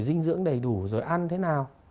dinh dưỡng đầy đủ rồi ăn thế nào